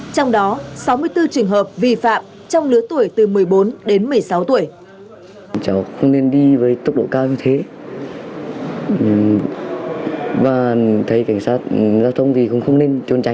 trong đó sáu mươi bốn trường hợp vi phạm trong lứa tuổi từ một mươi bốn đến một mươi sáu tuổi